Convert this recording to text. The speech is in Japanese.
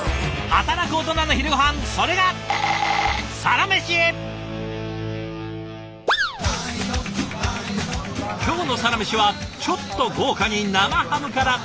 働くオトナの昼ごはんそれが今日の「サラメシ」はちょっと豪華に生ハムから。